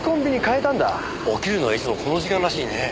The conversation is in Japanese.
起きるのはいつもこの時間らしいねえ。